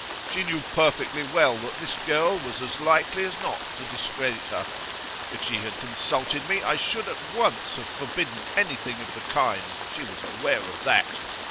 She knew perfectly well that this girl was as likely as not to discredit her. If she had consulted me, I should at once have forbidden anything of the kind; she was aware of that.